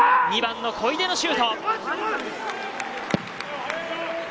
２番の小出のシュート。